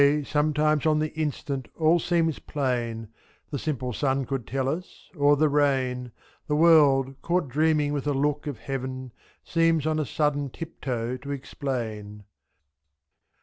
sometimes on the instant all seems plain, The simple sun could tell us, or the rain; 74. The world, caught dreaming with a look of heaven, Seems on a sudden tip toe to explain.